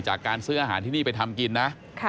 จากการซื้ออาหารที่นี่ไปทำกินนะ